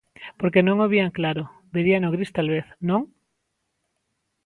Porque non o vían claro; veríano gris talvez, ¿non?